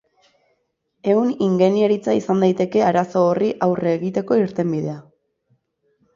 Ehun ingeniaritza izan daiteke arazo horri aurre egiteko irtenbidea.